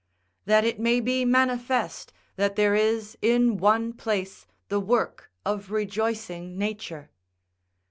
["That it may be manifest that there is in one place the work of rejoicing nature."